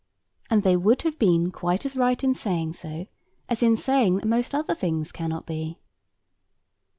And they would have been quite as right in saying so, as in saying that most other things cannot be.